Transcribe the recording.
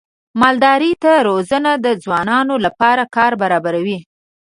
مالدارۍ ته روزنه د ځوانانو لپاره کار برابروي.